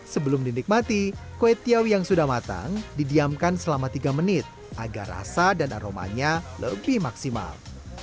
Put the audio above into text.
sebelum dinikmati kue tiawi yang sudah matang didiamkan selama tiga menit agar rasa dan aromanya lebih maksimal